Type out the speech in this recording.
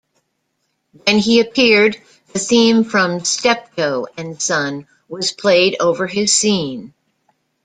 When he appeared, the theme from "Steptoe and Son" was played over his scene.